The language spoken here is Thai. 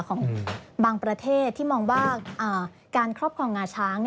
ของบางประเทศที่มองว่าการครอบครองงาช้าง